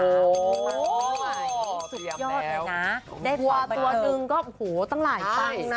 โหสุดยอดเนอะนะได้วัวตัวหนึ่งก็หูตั้งหลายคล่องนะ